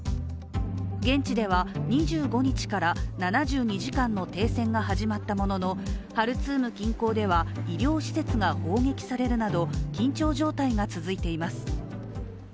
現地では２５日から７２時間の停戦が始まったものの、ハルツーム近郊では、医療施設が砲撃されるなど、緊張状態が続いています。